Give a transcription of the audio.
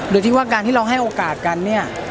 แล้วเราให้โอกาสกันเนี่ย